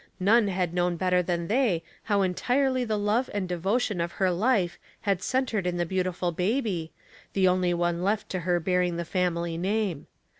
None had known better than they how entirely the love and devotion of her life had centered in the beautiful bab}^ the only one left to her bearing the family name.